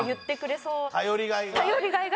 頼りがいが？